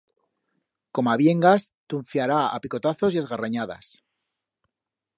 Coma viengas te unfllará a picotazos y a esgarranyadas.